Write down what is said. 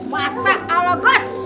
masa allah gus